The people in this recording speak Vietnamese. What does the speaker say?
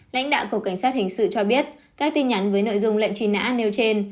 lãnh đạo cục cảnh sát hình sự cho biết các tin nhắn với nội dung lệnh truy nã nêu trên